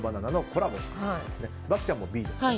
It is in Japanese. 漠ちゃんもＢですね。